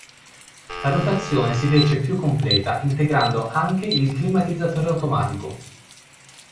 La dotazione si fece più completa, integrando anche il climatizzatore automatico.